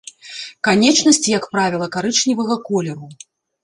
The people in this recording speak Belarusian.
Канечнасці, як правіла, карычневага колеру.